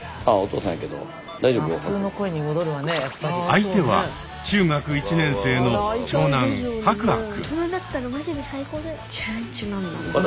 相手は中学１年生の長男珀充君。